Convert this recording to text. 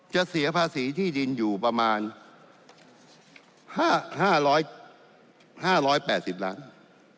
เสียภาษีที่ดินอยู่ประมาณ๕๘๐ล้าน